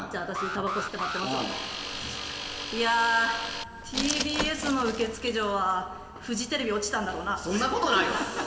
タバコ吸って待ってますわいやあＴＢＳの受付嬢はフジテレビ落ちたんだろうなそんなことない！